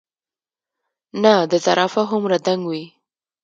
نۀ د زرافه هومره دنګ وي ،